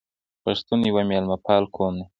پښتون یو میلمه پال قوم دی.